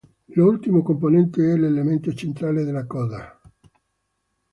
L'ultimo componente è l'elemento centrale della coda.